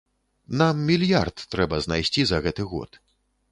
Нам мільярд трэба знайсці за гэты год.